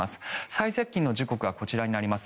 最接近の時刻はこちらになります。